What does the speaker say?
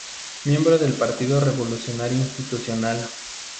Miembro del Partido Revolucionario Institucional.